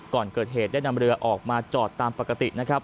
ก่อนเกิดเหตุได้นำเรือออกมาจอดตามปกตินะครับ